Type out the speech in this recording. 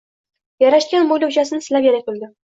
yarashgan mo‘ylovchasini silab yana kuldi.